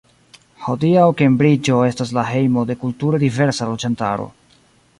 Hodiaŭ, Kembriĝo estas la hejmo de kulture diversa loĝantaro.